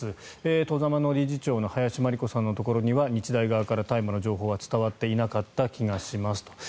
外様の理事長の林真理子さんのところには日大側から大麻の情報は伝わっていなかった気がしますと。